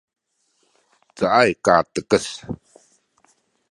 caay katekes